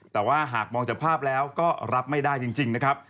แต่ว่าหากมองจากภาพแล้วก็รับไม่ได้จริงนะครับ